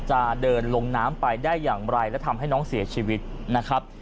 จะเดินลงน้ำไปได้อย่างไรและทำให้น้องเสียชีวิตนะครับ